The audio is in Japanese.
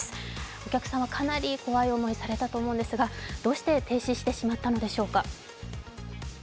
お客さんはかなり怖い思いをされたと思うんですが、どうして停止してしまったのでしょうか。